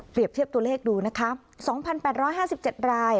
เทียบตัวเลขดูนะคะ๒๘๕๗ราย